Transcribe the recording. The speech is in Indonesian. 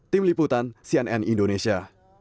tim liputan cnn indonesia